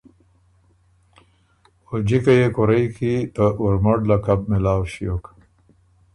او جکه يې کورئ کی ته اورمړ لقب مېلاؤ ݭیوک۔